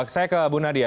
saya ke bu nadia